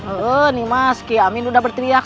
ee nih mas kia amin udah berteriak